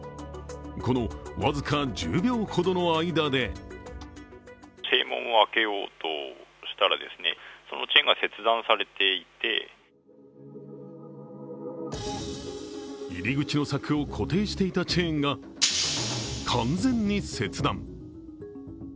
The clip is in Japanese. この僅か１０秒ほどの間で入り口の柵を固定していたチェーンが完全に切断。